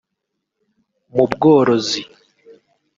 mu bworozi